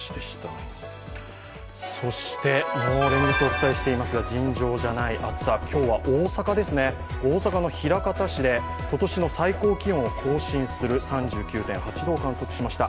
そして連日お伝えしていますが尋常じゃない暑さ、今日は大阪の枚方市で今年の最高気温を更新する３９．８度を観測しました。